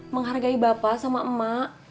menghargai bapak sama emak